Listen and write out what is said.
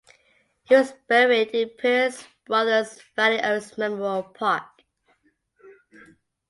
He was buried in Pierce Brothers Valley Oaks Memorial Park.